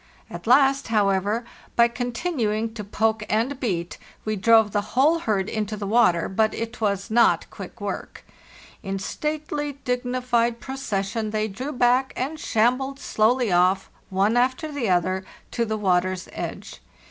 At last, however, by continuing to poke and beat, we drove the whole herd into the water, but it was not quick work. In stately, dignified procession they drew back and shambled slowly off, one after the other, to the water's edge.